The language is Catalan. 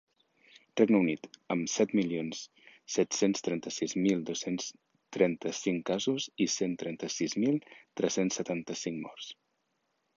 Regne Unit, amb set milions set-cents trenta-sis mil dos-cents trenta-cinc casos i cent trenta-sis mil tres-cents setanta-cinc morts.